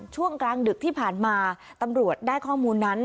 ช่วงกลางดึกที่ผ่านมาตำรวจได้ข้อมูลนั้น